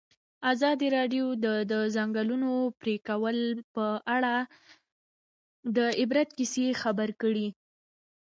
ازادي راډیو د د ځنګلونو پرېکول په اړه د عبرت کیسې خبر کړي.